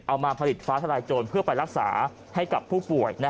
เอามาผลิตฟ้าทลายโจรเพื่อไปรักษาให้กับผู้ป่วย